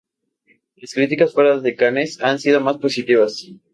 Las críticas fuera de Cannes han sido más positivas.